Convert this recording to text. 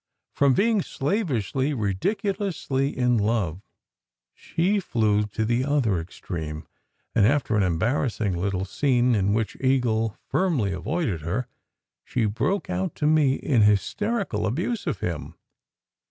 From being slavishly, ridiculously in love, she flew to the other extreme; and after an embarrassing little scene, in which Eagle firmly avoided her, she broke out to me in hysterical abuse of him.